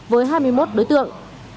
với hai mươi một đối tượng